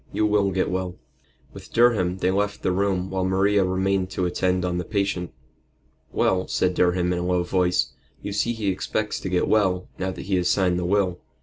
You will get well." With Durham they left the room while Maria remained to attend on the patient. "Well," said Durham, in a low voice, "you see he expects to get well, now that he has signed the will.